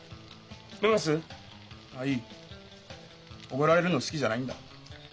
おごられるの好きじゃないんだ。